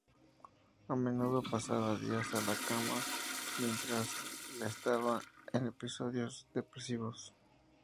A menudo pasaba días en la cama mientras estaba en episodios depresivos.